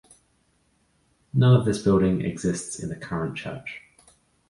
None of this building exists in the current church.